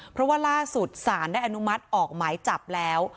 เพราะว่าล่าสุดสารได้อนุมัติออกหมายจับแล้ว